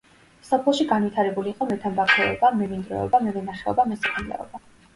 სოფელში განვითარებული იყო მეთამბაქოეობა, მემინდვრეობა, მევენახეობა, მესაქონლეობა.